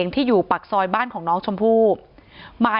ที่มีข่าวเรื่องน้องหายตัว